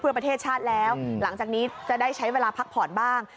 เพื่อประเทศชาติแล้วหลังจากนี้จะได้ใช้เวลาพักผ่อนบ้าง